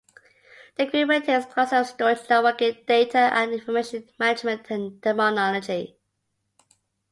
The group maintains a glossary of storage networking, data, and information management terminology.